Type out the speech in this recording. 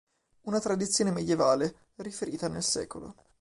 Una tradizione medievale, riferita nel sec.